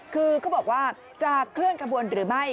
คือเขาบอกว่าจะเคลื่อนขบวนหรือไม่